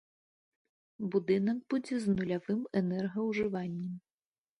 Будынак будзе з нулявым энергаўжываннем.